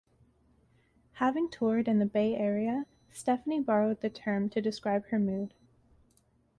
Having toured in the Bay Area, Stefani borrowed the term to describe her mood.